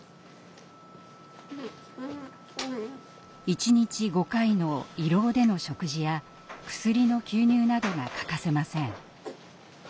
一日５回の胃ろうでの食事や薬の吸入などが欠かせません。